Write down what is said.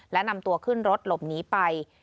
และนำตัวขึ้นรถหลบหนีไป